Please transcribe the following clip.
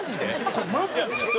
これマジです！